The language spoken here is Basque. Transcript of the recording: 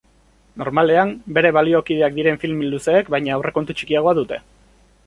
Normalean, bere baliokideak diren film luzeek baino aurrekontu txikiagoa dute.